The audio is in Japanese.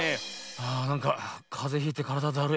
あなんかかぜひいてからだだるい。